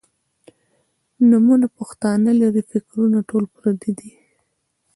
نومونه پښتانۀ لــري فکـــــــــــرونه ټول پردي دي